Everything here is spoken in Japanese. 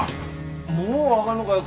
もう分がんのかよ